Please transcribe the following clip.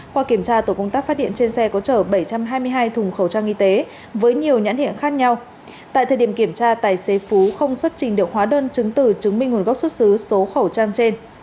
qua kiểm tra tổ công tác phát hiện trên xe có chở bảy trăm hai mươi hai thùng khẩu trang y tế với nhiều nhãn hiệu khác nhau tại thời điểm kiểm tra tài xế phú không xuất trình được hóa đơn chứng từ chứng minh nguồn gốc xuất xứ số khẩu trang trên